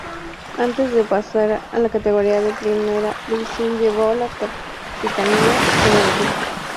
Antes de pasar a la categoría de primera división llevó la capitanía del equipo.